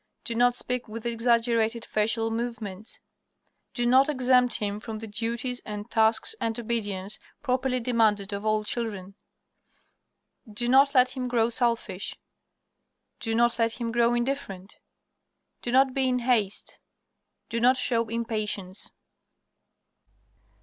Do not speak with exaggerated facial movements. Do not exempt him from the duties and tasks and obedience properly demanded of all children. Do not let him grow selfish. Do not let him grow indifferent. Do not be in haste. Do not show impatience.